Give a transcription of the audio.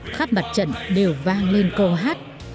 khắp mặt trận đều vang lên câu hát